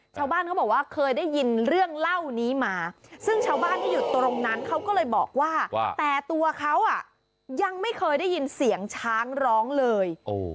ชาวบ้านเขาบอกว่าเคยได้ยินเรื่องเล่านี้มาซึ่งชาวบ้านที่อยู่ตรงนั้นเขาก็เลยบอกว่าแต่ตัวเขายังไม่เคยได้ยินเสียงช้างร้องเลย